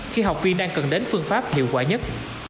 khi học viên đang cần đến phương pháp hiệu quả nhất